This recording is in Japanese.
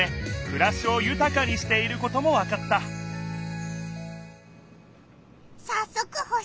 くらしをゆたかにしていることもわかったさっそく星におくろう！